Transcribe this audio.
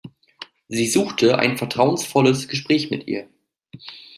Sie suchte ein vertrauensvolles Gespräch mit ihr.